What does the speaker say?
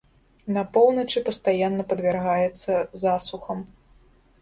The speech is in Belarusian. На поўначы пастаянна падвяргаецца засухам.